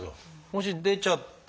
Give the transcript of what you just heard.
もし出ちゃったら。